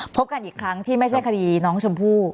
พบกันอีกครั้งที่ไม่ใช่คดีน้องชมพู่